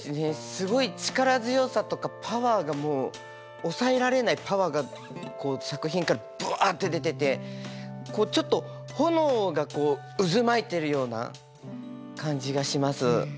すごい力強さとかパワーがもう抑えられないパワーが作品からブワって出ててちょっと炎が渦巻いてるような感じがします。